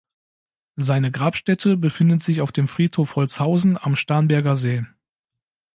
Seine Grabstätte befindet sich auf dem Friedhof Holzhausen am Starnberger See.